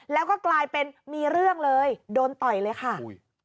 แล้วก็กลายเป็นมีเรื่องเลยโดนต่อยเลยค่ะ